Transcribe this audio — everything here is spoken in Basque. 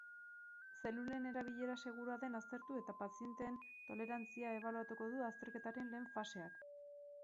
Zelulen erabilera segurua den aztertu eta pazienteen tolerantzia ebaluatuko du azterketaren lehen faseak.